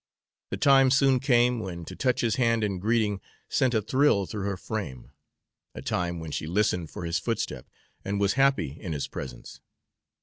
The time soon came when to touch his hand in greeting sent a thrill through her frame, a time when she listened for his footstep and was happy in his presence.